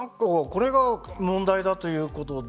これが問題だということで。